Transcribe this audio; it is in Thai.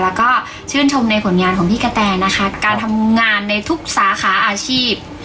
แล้วก็ชื่นชมในผลงานของพี่กะแตนะคะการทำงานในทุกสาขาอาชีพ